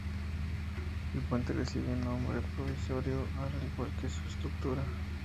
El puente recibe un nombre provisorio, al igual que se estructura.